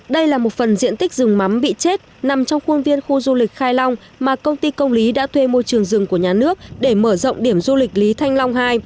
đây là một phần diện tích rừng mắm bị chết nằm trong khuôn viên khu du lịch khai long mà công ty công lý đã thuê môi trường rừng của nhà nước để mở rộng điểm du lịch lý thanh long hai